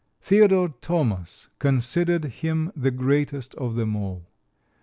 Theodore Thomas considered him the greatest of them all.